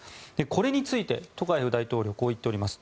これについてトカエフ大統領はこう言っております。